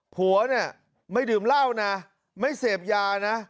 ผัวเนี่ยไม่ดื่มเหล้านะไม่เสพยานะ